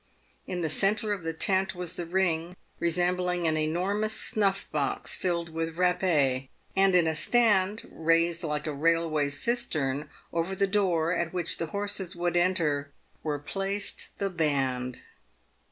In the centre of the tent was the ring, resembling an enormous snuiF box filled with rappee, and in a stand — raised like a railway cistern — over the door at which the horses would enter, were placed the band.